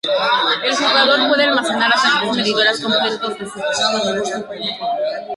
El jugador puede almacenar hasta tres medidores completos de Super.